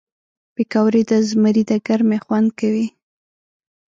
پکورې د زمري د ګرمۍ خوند کموي